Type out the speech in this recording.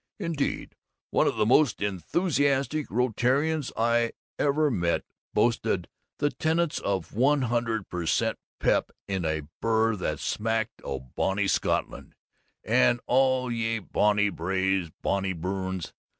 Indeed, one of the most enthusiastic Rotarians I ever met boosted the tenets of one hundred per cent pep in a burr that smacked o' bonny Scutlond and all ye bonny braes o' Bobby Burns.